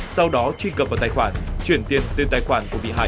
sau đó truy cập vào tài khoản chuyển tiền từ tài khoản của bị hại